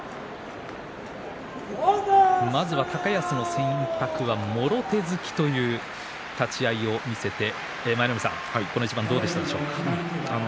まずは高安の選択はもろ手突きという立ち合いを見せてこの一番どうですか？